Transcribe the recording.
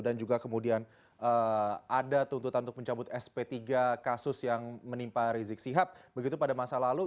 dan juga kemudian ada tuntutan untuk mencabut sp tiga kasus yang menimpa rizik sihab begitu pada masa lalu